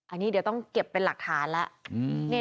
อันนี้เดี๋ยวต้องเก็บเป็นหลักฐานแล้ว